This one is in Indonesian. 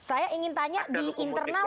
saya ingin tanya di internal